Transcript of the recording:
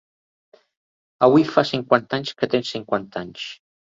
Avui fa cinquanta anys que tens cinquanta anys.